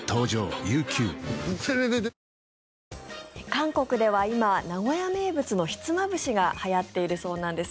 韓国では今名古屋名物のひつまぶしがはやっているそうなんです。